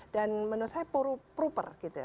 dan menurut saya proper